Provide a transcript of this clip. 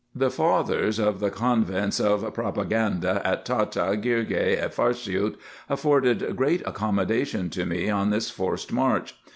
The fathers of the convents of Propaganda at Tahta, Girgeh, and Farshiout, afforded great accommodation to me on this forced march.